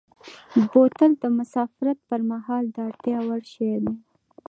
بوتل د مسافرت پر مهال د اړتیا وړ شی دی.